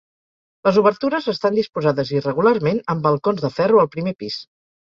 Les obertures estan disposades irregularment, amb balcons de ferro al primer pis.